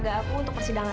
maaf ingin memberi perhatian